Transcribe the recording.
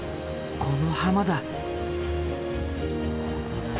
この浜だ。